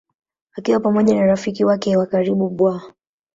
Akiwa pamoja na rafiki yake wa karibu Bw.